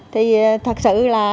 thì thật sự là